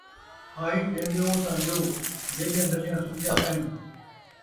پھاہی ݙیندے او تاں ݙیو، میݙیاں نلیاں سکدیاں پئین